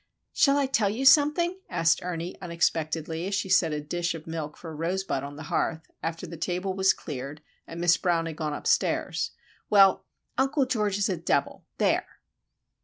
"Shall I tell you something?" asked Ernie, unexpectedly, as she set a dish of milk for Rosebud on the hearth, after the table was cleared and Miss Brown had gone upstairs. "Well, Uncle George is a devil. There!"